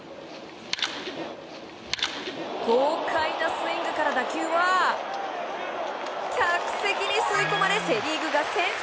豪快なスイングから打球は客席に吸い込まれセ・リーグが先制。